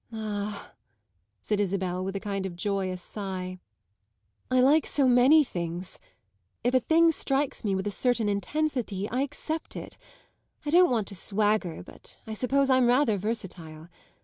"Ah," said Isabel with a kind of joyous sigh, "I like so many things! If a thing strikes me with a certain intensity I accept it. I don't want to swagger, but I suppose I'm rather versatile.